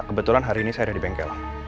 kebetulan hari ini saya udah di bengkel